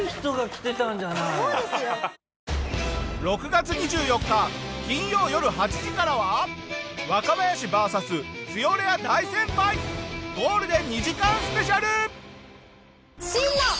６月２４日金曜よる８時からは若林ＶＳ強レア大先輩ゴールデン２時間スペシャル！